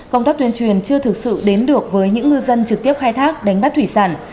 công tác tuyên truyền chưa thực sự đến được với những ngư dân trực tiếp khai thác đánh bắt thủy sản